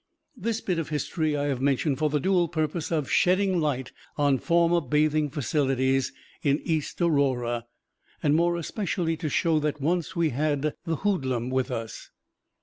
This bit of history I have mentioned for the dual purpose of shedding light on former bathing facilities in East Aurora, and more especially to show that once we had the hoodlum with us.